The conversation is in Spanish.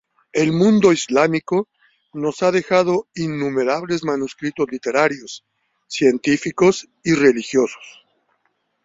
El mundo islámico nos ha dejado innumerables manuscritos literarios, científicos y religiosos.